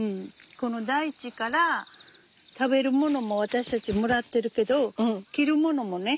この大地から食べるものも私たちもらってるけど着るものもね